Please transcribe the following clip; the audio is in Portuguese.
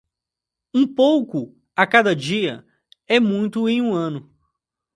Um pouco a cada dia é muito em um ano.